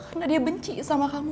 karena dia benci sama kamu